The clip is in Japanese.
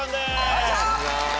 よろしくお願いします。